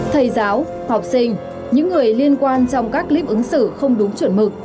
thầy giáo học sinh những người liên quan trong các clip ứng xử không đúng chuẩn mực